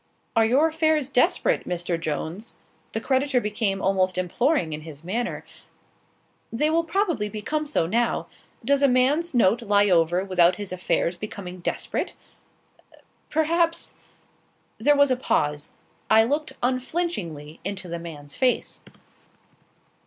"Are your affairs desperate, Mr. Jones?" The creditor became almost imploring in his manner. "They will probably become so now. Does a man's note lie over without his affairs becoming desperate?" "Perhaps" There was a pause. I looked unflinchingly into the man's face.